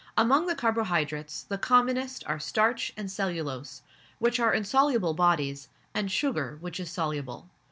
Among the carbohydrates, the commonest are starch and cellulose, which are insoluble bodies, and sugar, which is soluble.